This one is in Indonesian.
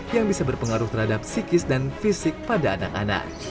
yang bisa berpengaruh terhadap psikis dan fisik pada anak anak